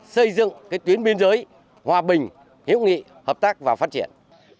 xây dựng tuyến biên giới hòa bình hiểu nghị hợp tác và phát triển